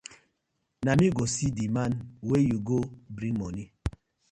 Na me go see di man wey go bring moni.